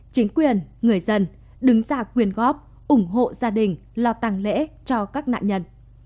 chính quyền người dân đứng ra quyên góp ủng hộ gia đình lo tăng lễ cho các nạn nhân